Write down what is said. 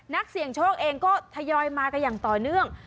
นักเสี่ยงโชคเองก็ทยอยมากันอย่างต่อเนื่อง